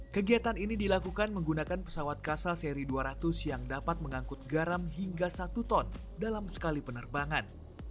kegiatan ini dilakukan menggunakan pesawat kasal seri dua ratus yang dapat mengangkut garam hingga satu ton dalam sekali penerbangan